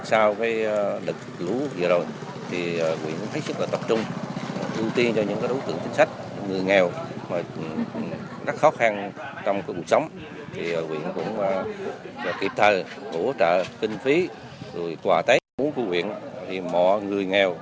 sau đợt lũ vừa rồi thì quý khách rất là tập trung ưu tiên cho những đối tượng chính sách người nghèo